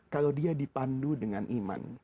kalau dia dipandu dengan iman